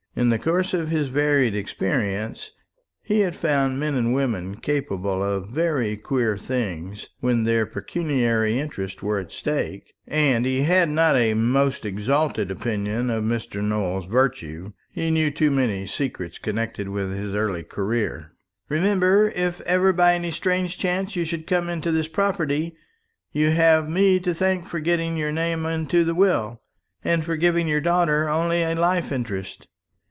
In the course of his varied experience he had found men and women capable of very queer things when their pecuniary interests were at stake; and he had not a most exalted opinion of Mr. Nowell's virtue he knew too many secrets connected with his early career. "Remember, if ever by any strange chance you should come into this property, you have me to thank for getting your name into the will, and for giving your daughter only a life interest.